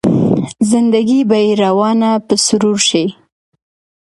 زنده ګي به يې روانه په سرور شي